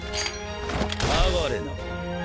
哀れな。